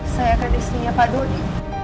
saya ke disney nya pak dodi